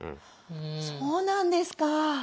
「そうなんですか」。